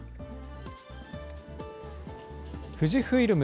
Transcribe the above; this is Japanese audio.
富士フイルム